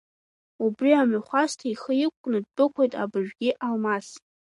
Убри амҩахәасҭа ихы ақәкны ддәықәлеит абыржәгьы Алмас.